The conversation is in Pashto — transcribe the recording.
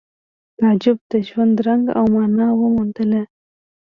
تعجب د ژوند رنګ او مانا وموندله